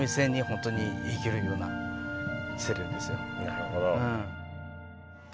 なるほど。